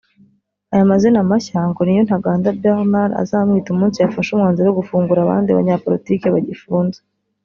Aya mazina mashya ngo niyo Ntaganda Bernard azamwita umunsi yafashe umwanzuro wo gufungura abandi banyapolitiki bagifunze